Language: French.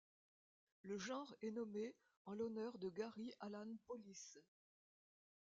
Le genre est nommé en l'honneur de Gary Allan Polis.